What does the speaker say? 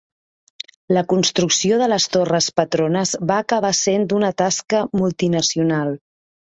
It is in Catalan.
La construcció de les torres Petronas va acabar sent una tasca multinacional.